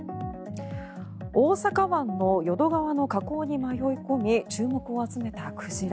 大阪湾の淀川の河口に迷い込み注目を集めた鯨。